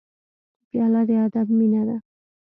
پیاله د ادب مینه ده.